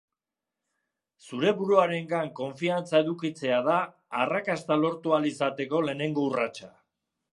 Zure buruarengan konfiantza edukitzea da arrakasta lortu ahal izateko lehenengo urratsa.